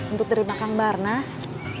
untuk terima kang barnas